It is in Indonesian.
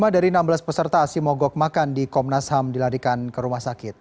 lima dari enam belas peserta aksi mogok makan di komnas ham dilarikan ke rumah sakit